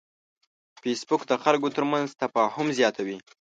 فېسبوک د خلکو ترمنځ تفاهم زیاتوي